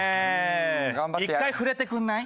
一回触れてくれない？